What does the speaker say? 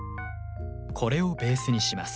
これをベースにします。